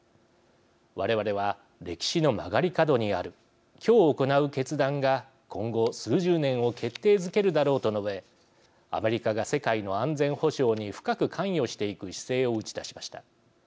我々は歴史の曲がり角にある今日行う決断が今後数十年を決定づけるだろうと述べアメリカが世界の安全保障に深く関与していく姿勢を打ち出しました。